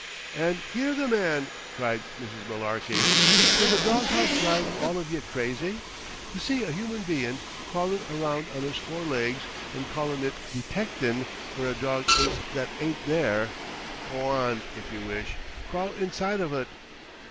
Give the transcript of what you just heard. "An' hear the man!" cried Mrs. Mullarky. "Does a dog house drive all of ye crazy? T' see a human bein' crawlin' around on his four legs an' callin' it detectin' where a dog is that ain't there! Go awn, if ye wish! Crawl inside of ut!"